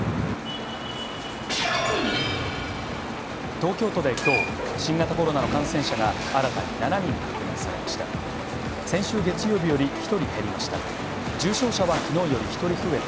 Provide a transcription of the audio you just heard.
東京都できょう新型コロナの感染者が新たに７人確認されました。